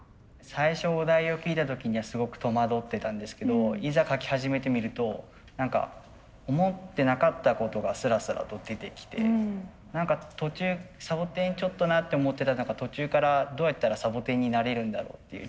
最初お題を聞いた時にはすごく戸惑ってたんですけどいざ描き始めてみると何か思ってなかったことがすらすらと出てきて何か途中「サボテンちょっとな」って思ってたら途中から「どうやったらサボテンになれるんだろう」っていう